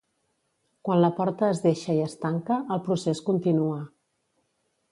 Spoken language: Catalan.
Quan la porta es deixa i es tanca, el procés continua.